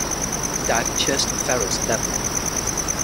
He died in Churston Ferrers, Devon.